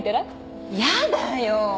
やだよ！